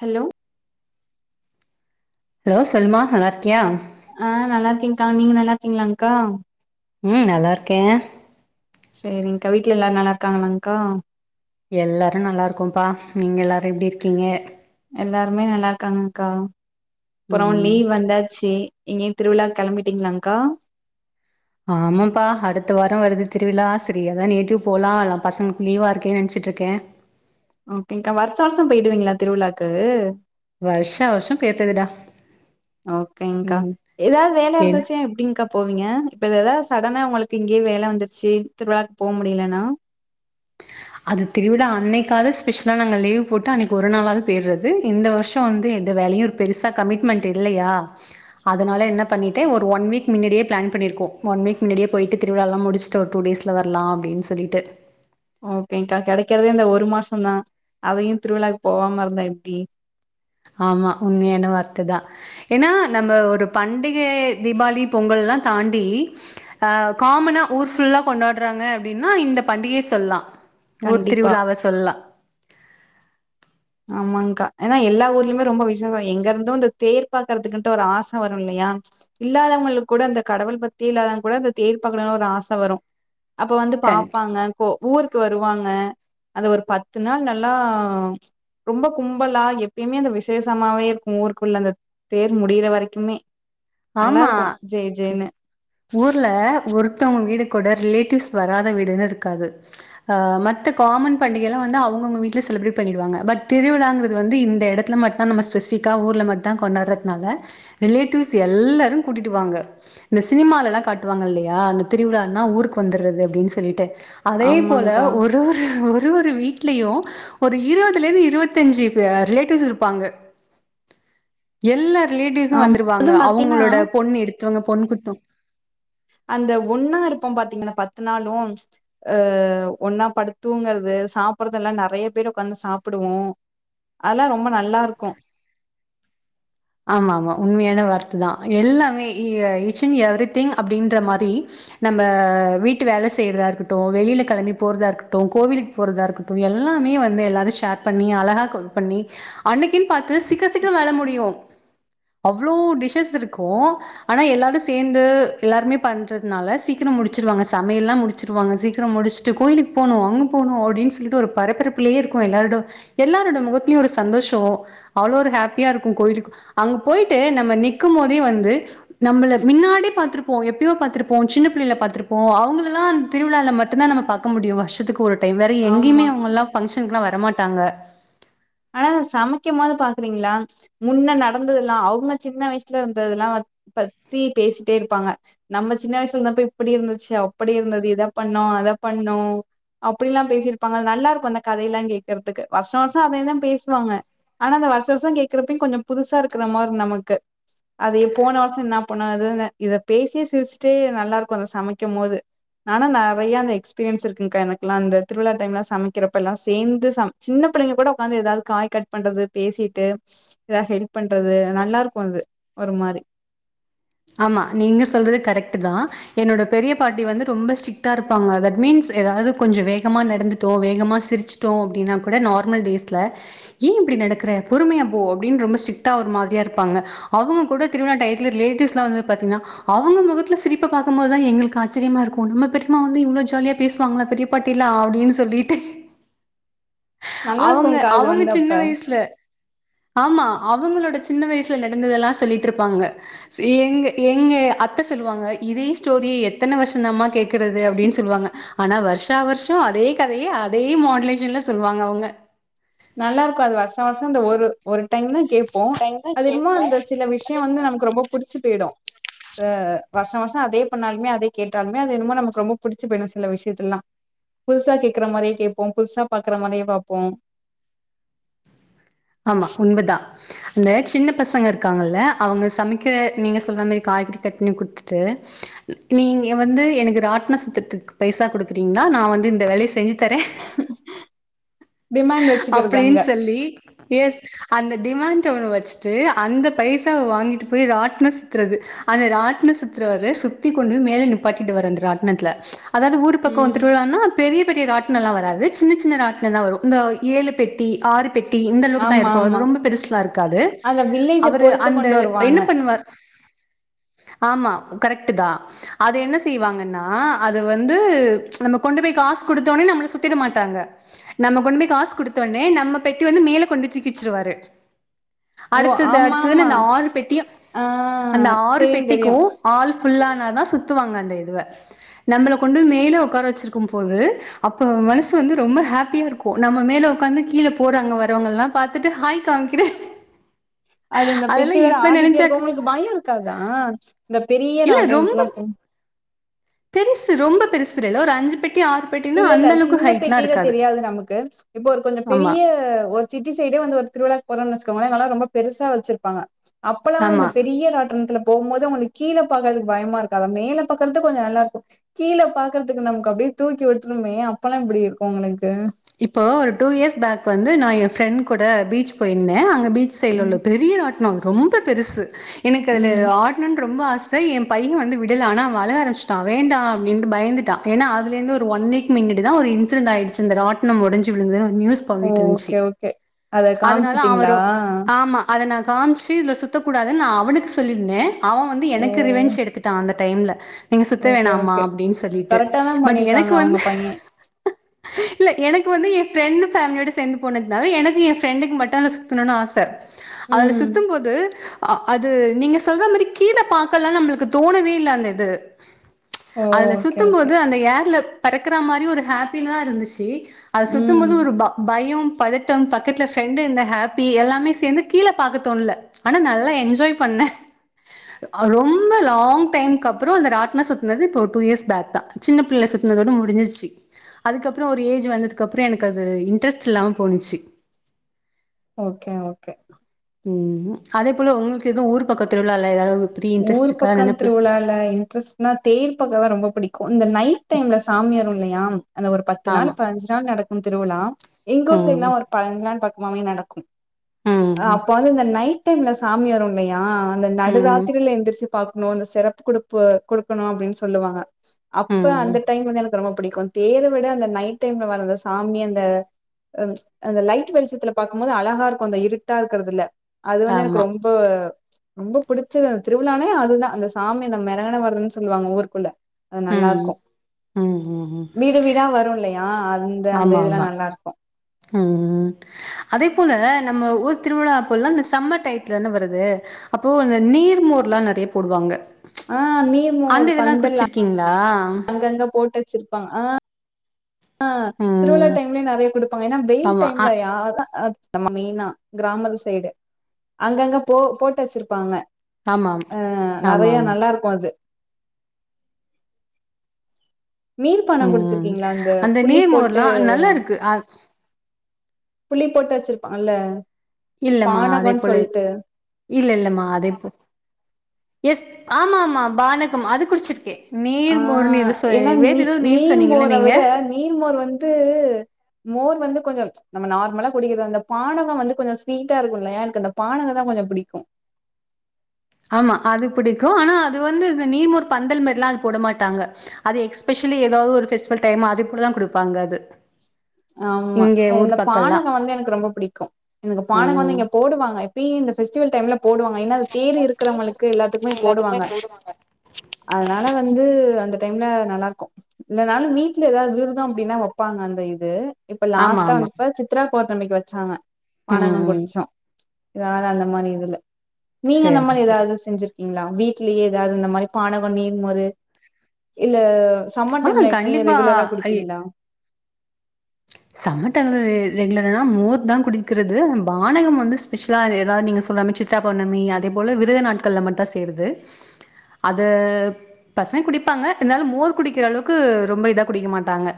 Hello hello Salma நல்லாருக்கியா ஆஹ் நல்லாருக்கேங்கா நீங்க நல்லாருக்கீங்ளாங்க்கா உம் நல்லாருக்கே சேரிங்க்கா வீட்ல எல்லாரு நல்லாருக்காங்களாங்க்கா எல்லாரும் நல்லாருக்கோம்ப்பா நீங்க எல்லாரு எப்டி இருக்கீங்க எல்லாருமே நல்லாருக்காங்கங்க்கா ப்புறோ ம் லீவ் வந்தாச்சி எங்கியு திருவிழாக் கெளம்பிட்டீங்ளாங்க்கா ஆமாம்ப்பா அடுத்த வாரோ வருது திருவிழா செரி எதா நேட்டிவ் போலா ல்லா பசங்க் லீவா இருக்கே நெனைச்சிட்ருக்கே ஓக்கேங்க்கா வர்ஷா வர்ஷம் போயிடுவீங்ளா திருவிழாக்கு வருஷா வருஷோ போயிறதுடா ஓகேங்க்கா ம் எதாவது வேல என் இருந்துச்சு எப்டிங்க்கா போவீங்க இப்ப ஏததா சடனா உங்களுக் இங்கியே வேல வந்துருச்சி திருவிழாக் போ முடிலனா அது திருவிழா அன்னைக்காது ஸ்பெஷலா நாங்க லீவ் போட்டு அன்னைக்கு ஒரு நாளாவது போய்டுறது இந்த வருஷ வந்து எந்த வேலையு பெருசா கமிட்மென்ட் இல்லையா அதனால என்ன பண்ணிட்ட ஒரு ஒன் வீக் மின்னாடியே பிளான் பண்ணிருக்கோ ஒன் வீக் மின்னாடியே போய்ட்டு திருவிழால முடிச்சுட்டு ஒரு டூ டேஸ்ல வரலா அப்டின் சொல்லிட்டு ஓகேங்க்கா கெடைக்கிறதே அந்த ஒரு மாசந்தா அதையு திருவிழாக்கு போவாம இருந்தா எப்டி ஆமா உண்மையான வார்த்ததா ஏனா நம்ம ஒரு பண்டிகை தீபாளி பொங்கல்லா தாண்டி ஆ காமனா ஊர் ஃபுல்லா கொண்டாடுறாங்க அப்டினா இந்த பண்டிகை சொல்லா ஊர் கண்டிப்பா திருவிழாவ சொல்லா ஆமாங்க்கா ஏன்னா எல்லா ஊர்லயுமே ரொம்ப விசேசம் எங்க இருந்தோ இந்த தேர் பாக்கறதுக்குன்ட்டு ஒரு ஆச வரும் இல்லையா இல்லாதவங்களுக்கு கூட அந்த கடவுள் பக்தியே இல்லாதவங்க கூட அந்த தேர் பாக்கணும்னு ஒரு ஆச வரும். அப்ப வந்து கண் பாப்பாங்கன்னு போ ஊரு க்கு வருவாங்க அது ஒரு பத்து நாள் நல்லா ரொம்ப கும்பலா எப்பியுமே அந்த விசேஷமாவே இருக்கும் ஊருக்குள்ள அந்த தேர் முடிற வரைக்குமே நல்லா ஆமா இருக்கு ஜே ஜேன்னு ஊர்ல ஒருத்தவங்க வீடு கூட ரிலேட்டிவ்ஸ் வராத வீடுன்னு இருக்காது மத்த காமன் பண்டிகைல்லா வந்து அவுங்க அவுங்க வீட்ல செலிபெரேட் பண்ணிருவாங்க பட் திருவிழான்றது இந்த எடத்துல மட்டும் தா நம்ம ஸ்பெஷிஃபிக்கா ஊர்ல மட்டும் தா கொண்டாரதுனால ரிலேடிவ்ஸ் ஷே எல்லாரும் கூட்டிட்டு வாங்க இந்த சினிமால எல்லாம் காட்டுவாங்க இல்லையா அந்த திருவிழானா ஊருக்கு வந்துறது அப்பிடின்னு சொல்லிட்டு அதே போல ஆமாங்க்கா ஒரு ஒரு ஒரு ஒரு ஒரு வீட்லயும் ஒரு இருபதுல இருந்து இருபத்தி அஞ்சு ரிலேட்டிவ்ஸ் இருப்பாங்க எல்லார ப்ளே டிஸ்ஸு ஆமா வந்துரு ங்க அதுவு பாத்தீங்கன்னா அவுங்களோட பொண் இது மத்துவாங்க பொண்ணு குடுத்தோம் அந்த ஒன்னா இருப்போம் பாத்தீங்கன்னா பத்து நாளும் ஆ ஒன்னா படுத்தூங்கறது சாப்பிறதுல்லாம் நறைய பேர் ஓக்காந்து சாப்பிடுவோம் அதெல்லாம் ரொம்ப நல்லா இருக்கோ ஆமா ஆமா உண்மையான வார்த்ததான் எல்லாமே ஈச் அண்ட் எவ்ரி திங் அப்பிடின்ற மாரி நம்ம வீட்டு வேல செய்யறதா இருக்கட்டும் வெளியில களம்பி போறதா இருக்கட்டும் கோவிலுக்கு போறதா இருக்கட்டும் எல்லாமே வந்து எல்லாரும் ஷேர் பண்ணி அழகா கோல் பண்ணி அன்னிக்குன்னு பாத்து சீக்கர சீக்கர வேல முடியோ அவ்ளோ டிஷஸ் இருக்கும் ஆனா எல்லாரும் சேந்து எல்லாருமே பண்றதுனால சீக்கிரம் முடிச்சுிருவாங்க சமையல் எல்லாம் முடிச்சிருவாங்க சீக்கிரம் முடிச்சுட்டு கோயிலுக்கு போணும் அங்க போணும் அப்பிடின்னு சொல்ட்டு ஒரு பரபரப்புலயே இருக்கும் எல்லாரோட எல்லாரோட முகத்தலயும் ஒரு சந்தோஷம் அவ்ளோ ஒரு ஹாப்பியா இருக்கும் கோயிலுக்கு அங்க போயிட்டு நம்ம நிக்கும் போதே வந்து நம்மள மின்னாடி பாத்திருப்போம் எப்பவோ பாத்திருப்போம் சின்ன பிள்ளைல்ல பாத்திருப்போம் அவங்களல்லாம் அந்த திருவிழால மட்டும்்தான் நம்ம பாக்க முடியும் வருஷத்துக்கு ஒரு வேற ஆமா எங்கேயுமே அவுங்கல்லா பங்க்ஷ ல்லா வரமாட்டாங்க ஆ சமைக்கும் போது பாக்கறிங்ளா முன்ன நடந்தது எல்லா அவங்க சின்ன வயசுல இருந்ததெல்லா பத்தி பேசிட்டே இருப்பாங்க நம்ம சின்ன வயசுல இருந்தப்ப இப்படி இருந்துச்சு அப்படி இருந்தது இத பண்ணோ அத பண்ணோ அப்படி எல்லா பேசிருப்பாங்க அது நல்லாருக்கு அந்த கதையெலா கேக்கறதுக்கு வருஷ வருஷ அதேதா பேசுவாங்க ஆனா அந்த வருஷ வருஷ கேக்கறப்பையு கொஞ்ச புதுசா இருக்கிற மாரி நமக்கு அதைய போன வருஷ என்னா பண்ணோ அதுனு இத பேசியே சிரிச்ட்டே நல்லாருக்கு அந்த சமைக்கும் போது ஆனா நெறையா அந்த எக்ஸ்பீரியன்ஸ் இருக்குங்க்கா எனக்லா அந்த திருவிழா டைம் சமைக்கிறப்பலா சேந்து சம சின்ன பிள்ளைங்க கூட உக்காந்து ஏதாவுது காய் கட் பண்றது பேசிட்டு ஏதாது ஹெல்ப் பண்றது நல்லாருக்கு அது ஒரு மாரி ஆமா நீங்க சொல்றது கரெக்ட்டுதா என்னோட பெரிய பாட்டி வந்து ரொம்ப ஸ்ட்ரிட்டா இருப்பாங்க தட் மீன்ஸ் ஏதாவது கொஞ்ச வேகமா நடந்துட்டோ வேகமா சிரிச்சுட்டோ அப்டின்னா கூட நார்மல் டேஸ்ல ஏ இப்படி நடக்கற பொறுமையா போ அப்டின் ரொம்ப ஸ்ட்ரிட்டா ஒரு மாரியா இருப்பாங்க அவங்க கூட திருவிழா டயத்துல ரிலேட்டிவ்ஸ் வந்து பாத்திங்னா அவங்க முகத்துல சிரிப்ப பாக்கும்போதுதா எங்களுக்கு ஆச்சரியமா இருக்கு நம்ம பெரிம்மா வந்து இவ்ளோ ஜாலியா பேசுவாங்ளா பெரிய பாட்டிலா அப்டின் சொல்லிட்டு நல்லா அவங்க இருக்கும்கா அது அவங்க வந்து சின்ன அப்ப வயசுல ஆமா அவுங்களோட சின்ன வயசுல நடந்ததெல்லா சொல்லிட்ருப்பாங்க எங்க எங்க அத்தை சொல்வாங்க இதே ஸ்டோரிய எத்தனை வருஷந்தாம்மா கேக்கறது அப்டின் சொல்வாங்க ஆனா வருஷா வருஷ அதே கதையே அதே மாடுலேஷன்ல சொல்வாங்க அவங்க கூண்டு ஒரு ஒரு டைம்ன கேப்போ அதென்மோ அந்த சில விஷய வந்து நமக்கு ரொம்ப புடிச்சு போயிடு ஆ வருஷா வருஷ அதே பண்ணாலுமே அதே கேட்டாலுமே அதென்னமோ நமக்கு ரொம்ப புடிச்சு போயுடு சில விஷயத்துலல்லா புதுசா கேக்கற மாரியே கேப்போ புதுசா பாக்குற மாரியே பாப்போ ஆமா உண்மதா அந்த சின்ன பசங்க இருக்காங்கல்ல அவங்க சமைக்க நீங்க சொல்ற மாரி காய்கறி கட் பண்ணி குடுத்துட்டு நீங்க வந்து எனக்கு ராட்ன சுத்ததுக்கு பைசா குடுக்குறிங்னா நா வந்து இந்த வேலைய செஞ்சு தரே டிமாண்ட் வச்சுக்கிறது அப்டின் அங்க சொல்லி எஸ் அந்த டிமாண்ட் ஒனை வச்சுட்டு அந்த பைசாவை வாங்கிட்டு போய் ராட்ன சுத்துறது அந்த ராட்ந சுத்தரவரு சுத்தி கொண்டு மேல நிப்பாட்டிட்டு வரற அந்த ராட்னத்துல அதாவ ஊர் பக்கம் ம் திருவிழானா பெரிய பெரிய பெரிய ராட்னம் எல்லாம் வராது சின்ன சின்ன ராட்னம் தான் வரும் இந்த ஏழு பெட்டி ஆறு பெட் டி இந்த அளவுக்கு தான் ஆமா ஆமா இருக்கும் ரொம்ப பெருசுலா இருக்காது அந்த வில்லேஜ அவர் பொறுத்து அந்த கொண்டு வருவாங்க என்ன பண்ணுவார் ஆமா கரெக்ட் தான் அது என்ன செய்வாங்கன்னா அது வந்து நம்ம கொண்டு போய் காசு கொடுத்தோடனே நம்மள சுத்திட மாட்டாங்க நம்ம கொண்டு போய் காசு கொடுத்தோடனே நம்ம பெட்டி வந்து மேல கொண்டு தூக்கிவச்சருவாரு ஓ அடுத்தது ஆமா அடுத்ததுணு ஆமா அந்த ஆறு பெட்டி ஆ அந்த ஆறு தெரியு தெரியு பெட்டிக்கும் ஆல்ப புல்லான தான் சுத்துவாங்க அந்த இதுவ நம்மளை கொண்டு மேல உட்கார வச்சிருக்கும் போது அப்ப மனசு வந்து ரொம்ப ஹாப்பி பியா இருக்கும் நம்ம மேல உக்காந்து கீழே போறாங்க வரவங்கல்லாம் பாத்துட்டு ஹாய் காமிக் அது இந்த பெட்டி வேற ஆடிிட்டே இருக்கு உனக்கு பயம் இருக்காதா இந்த பெரிய இல்ல ரொம்ப ராட்டனத்துலாம் போ பெருசு ரொம்ப பெருசுல ஒரு அஞ்சு பெட் இல்ல இல்ல சின்ன பெட்டியில தெரியாது நமக்கு இப்போ ஒரு கொஞ்சம் ஆமா பெரிய ஒரு சிட்டி சைடே வந்து ஒரு திருவிழா போறோம்ன்னு வச்சுக்கோங்களே நல்லா ரொம்ப பெருசாவச்சிருப்பாங்க அப்பல்லாம் இந்த ஆமா பெரியராட்டனத்துல போகும் போது உங்களுக்கு கீழே பார்க்கறதுக்கு பயமா இருக்காதா அதை மேல பார்க்கறதுக்கு கொஞ்சம் நல்லாயிருக்கும் கீழே பார்க்கறதுக்கு நமக்கு அப்படியே தூக்கி விட்டு மே அப்பெல்லாம் எப்படி இருக்கும் உங்களுக்கு இப்போ ஒரு டூ இயர்ஸ் பேக் வந்து நான் என் ஃப்ரெண்ட் கூட பீச் போயிருந்தேன் அங் பீச் சைட் உள்ள ம், பெரிய ராட் நான் ரொம்ப பெருசு எனக்கு அதுல ம். ஆட்ணனு ரொம்ப ஆசை என் பையன் வந்து விடுல ஆனா அழ ஆரம்பிச்சிட்டான் வேண்டாம் அப்படின்னு பயந்துட்டான் ஏன்னா அதிலிருந்து ஒன்வீக் முன்னாடி தான் ஒரு இன்சிடென்ட் ஆயிடுச்சு ராட்னம் உடைஞ்சு உழுந்த நியூஸ் போகிட்டு இருந்துச்சு ஓகே, ஓகே. அத அதனால காமிச்சுட்டீங்களா? அவரும் ஆமா அதனா காமிச்சு இதுல சுத்தக்க கூடாதுன்னு நான் அவனுக்கு சொல்லியிருந்தேன் அவன் வந்து ஓ! எனக்கு ரிவென்ச் எடுத்துட்டான் அந்த டைம்ல நீங்க சுத்த ஓகே, வேணாம்மா ஓகே. அப்படின்னு சொல்லிட்டு கரெக்ட்டா தான் பட் எனக்கு பண்ணியிருக்காங்க உங்க வந்து பையன். எனக்கு வந்து என் ஃப்ரெண்ட் ஃபேமிலியோட சேர்ந்து போனதுனால எனக்கு என் ஃப்ரெண்டுக்கும் மட்டும் சுத்தணும்னு ஆசை அதுல ம். சுத்தும் போது அது நீங்க சொல்ற மாதிரி கீழே பார்க்க எல்லாம் நம்மளுக்கு தோணவே இல்ல அந்த இது ஓ! அதுல ஓகே, சுத்தும் ஓகே. போது அந்த ஏர்ல பறக்கற மாரி ஒரு ஹாப்பிதா இருந்துச்சு [unintelligible] அது சுத்தும் ம். போது ஒரு ப பயம் பதட்டம் பக்கத்துல ஃபிரெண்ட் இருந்த ஹேப்பி எல்லாமே சேந்து கீழ பாக்க தோணல ஆனா நல்லா என்ஜாய் பண்ணே ரொம்ப லாங் டைமுக் அப்புற இந்த ராட்ன சுத்துனது இப்ப டூ இயர்ஸ் பேக்தா சின்ன பிள்ளைல சுத்துனதோட முடிஞ்சிருச்சு அதுக்கப் ற ஒரு ஏஜ் வந்ததுக்கப்ற எனக்கு அது இன்ட்ரெஸ்ட் இல்லாம போனிச்சு ஓகே ஓகே ம் அதே போல உங்ளுக்கு எதுவு ஊர் பக்கத்திருவிழால ஏதாவுது ஊர் பக்க திருவிழால இன்ட்ரெஸ்ட்னா தேர் பாக்கதா ரொம்ப பிடிக்கு இந்த நைட் டைம்ல சாமி வருன் இல்லையா அது ஒரு பத்து நாள் ஆமா பதனஞ்சு நாள் நடக் கு திருவிழா எங்க ஊர் சைடுலா ம் ஒரு பதனஞ்சு நாள் பக் க நடக்கு ஆ ம் அப்பந்து இந்த நைட் நைட் டைம்ல சாமி வரு இல்லையா அந்த நடு ம் ராத் எந்திரிச்சு பாக்கணு இந்த சிரப்பு குடுப் குடுக்கணு அப்டின்னு சொல்லுவாங்க ம் அப்ப ம் அந்த டைம் வந்து எனக்கு ரொம்ப பிடிக் தேர விட அந்த நைட் டைம்ல வர்ற அந்த சாமி அந்த அந்த லைட் வெளிச்சத்துல பாக்கும்போது அழகா இருக்கு அந்த இருட்டா இருக்குறதுல அது வந்து ஆமா. எனக்கு ரொம்ப ரொம்ப புடிச் சச்ச அந்த திருவிழானே அது தான் அந்த சாமி அந்த மெரவண வரதுன்னு சொல்லுவாங்க ஊருக்குள்ள அது நல்லா ம். இருக்கோ ம், ம், ம். யா ஆ அந்த அந்த ஆமா, ஆமா. இதெல்லாம் நல்லா இருக்கோ ம் அதே போல நம்ம ஊர் திருவிழா அப்போல்லாம் இந்த சம்மர் டைத்துல வருது அப்போ அந்த நீர்மோர்லாம் நறைய போடுவாங்க ஆ நீர் மோர் அந்த இதெல்லாம் பந்தல்லா குடிச்சிருக்கீங்களா? அங்கங்க போட்டு வச்சுருப்பாங் ஆ ஆ திருவிழா ம். டைம்லயே நறைய குடுப்பாங்க ஏன்னா வெயில் ஆமா. அ டைம்லயா நம்ம மெயினா கிராமத்து சைடு அங்கங்க போ போட்டு வச்சிருப்பாங்க ஆமாம். ஆ நறைய ஆமாமா. நல்லா இருக்கு அது நீர் பானம் ம் குடிச்சிருக்கீங்களா அந்த புளி நீர் போட்டு மோர்லா நல்லா இருக்கு அ புள்ளி போட்டு வெச்சிருப்பாங்கல இல்லம்மா அதே போல இல்ல இல்லமா அதே போ எஸ் ஆமா ஆமா பானகம் அது குடிச்சிருக்கே ஆஹ் ஏன்னா நீ நேம் சொன்னீங்கல்ல நீர்மோர நீங்க? விட நீர்மோர் வந்து மோர் அதுவந்து கொஞ்சோ நம்ம நார்மலா குடிக்கிற அந்த பானகம் வந்து கொஞ்சோ ஸ்வீட்டா இருக்கும் இல்லையா எனக்கு அந்த பானகம் தா கொஞ்சோ பிடிக்கும் ஆமா அது புடிக்கும் ஆனா அது வந்து இந்த நீர்மோர் பந்தல் மாரில்லா அது போட மாட்டாங்க அது எக்ஸ்பெஷலி ஏதாவது ஒரு பெஸ்டிவல் டைம் அது கூடதா குடுப்பாங்க அது ஆமா இங்க ஊர் இந்த பக்கம்லாம். பானகம் வந்து எனக்கு ரொம்ப பிடிக்கும் இங்க பானகம் வந்து ம். இங்க போடுவாங்க மே இந்த பெஸ்டிவல் டைம்ல போடுவாங்க ஏன்ன தேர் இருக்குறவங்களுக்கு எல்லாத்துக்குமே போடுவாங்க அதனால வந்து அந்த டைம்ல நல்லா இருக்கும் இந்தனாலும் வீட்டுல ஏதாவது விருதம் அப்டின்னா வெப்பாங்க அந்த இது அத இப்ப ஆமா, லாஸ்டா ஆமா. வந்துப்ப சித்ரா பௌவுர்ணமிக்கு வெச்சாங்க ம், பானகம் ம். குடிச்சோ எதாது அந்த மாரி இதுல நீங்க இந்த சரி, மாரி சரி. ஏதாவது செஞ்சிருக் ங்ளா வீட்லயே ஏதாது இந்த மாரி பானகோ நீர் மோரு இல்ல சம்மர் ஆ டைம்ல எப்பயு கண்டிப்பா. ரெகுலரா ஐ குடுப்பீங்களா சம்மர் டைம்ல ரெ ரெகுலர்னா மோர் தா குடிக்குறது. பானகம் வந்து ஸ்பெஷலா ஏதாது நீங்க சொல்றா மாரி சித்திரா பௌர்ணமி, அதே போல விரத நாட்கள்ல மட்தா செய்றது. அத பசங் குடிப்பாங்க, இருந்தாலும் மோர் குடிக்குற அளவுக்கு, ரொம்ப இதா குடிக்க மாட்டாங்க.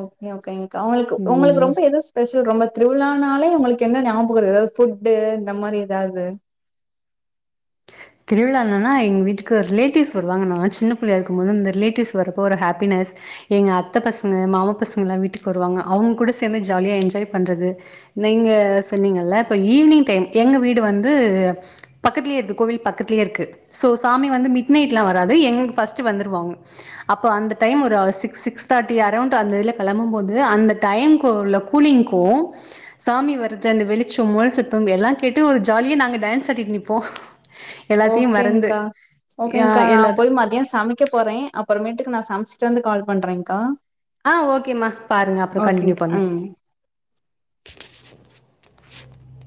ஓகே ஓகேங். அவுங்ளுக்கு உங்களுக்கு ம். ரொம்ப எது ஸ்பெஷல் ரொம்ப, திருவிழானாலே உங்களுக். என ஞாபக்குரது ஏதாவது ஃபுட்டு இந்த மாரி ஏதாவது. திருவிழா என்னன்னா எங் வீட்டுக்கு ரிலேட்டிவ்ஸ் வருவாங்க நாங்க சின்ன பிள்ளையா இருக்கும்போது இந்த ரிலேட்டிவ்ஸ் வரப்ப ஒரு ஹாப்பினஸ் எங்க அத்த பசங்க, மாமா பசங்கலா வீட்டுக்கு வருவாங்க. அவங்க கூட சேந்து ஜாலியா என்ஜாய் பண்றது. நீங்க சொன்னீங்கள இப்ப ஈவினிங் டைம், எங்க வீடு வந்து பக்கத்திலேயே இருக்கு கோவில் பக்கத்லேயே இருக்கு ஸோ சாமி வந்து மிட் நைட்லா வராது எங்கு ஃபஸ்ட் வந்துருவாங்க அப்போ அந்த டைம் ஒரு சிக்ஸ் சிக்ஸ் தேட்டி அரௌண்ட் அந்த வெள கெளம்பு போது அந்த டைம் குள்ள கூலிங்க்கோ சாமி வர்றது அந்த வெளிச்ச மூல சத்தம் எல்லா கேட்டு ஒரு ஜாலி நாங்க டான்ஸ் அடிட்டு நிப்போ எல்லாத்தையு மறந்து ஓகேங்க்கா, ஆ ஓகேங்க்கா நா எல்லா போய் மதியம் சமைக்க போறே. அப் புறமேட்டுக்கு நா சமச்சுட்டு வந்து கால் பண்றேங்க்கா. ஆ ஓகேமா. பாருங்க அப்புறோ கண்டினியூ ஓகேங்க்கா பண்ணுவோ ம்